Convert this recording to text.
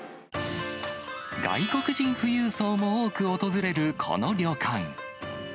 外国人富裕層も多く訪れるこの旅館。